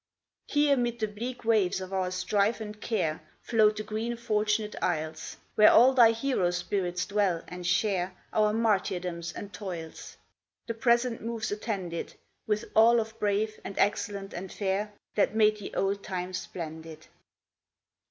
Here, mid the bleak waves of our strife and care, Float the green Fortunate Isles, Where all thy hero spirits dwell, and share Our martyrdoms and toils; The present moves attended With all of brave and excellent and fair That made the old time splendid.